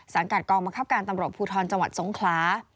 กัดกองบังคับการตำรวจภูทรจังหวัดสงคลา